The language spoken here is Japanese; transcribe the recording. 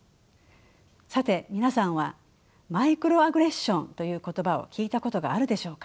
さて皆さんはマイクロアグレッションという言葉を聞いたことがあるでしょうか。